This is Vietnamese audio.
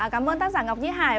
cảm ơn tác giả ngọc di hải